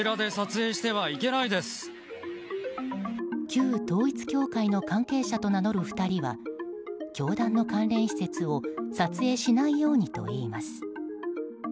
旧統一教会の関係者と名乗る２人は教団の関連施設を撮影しないようにと言います。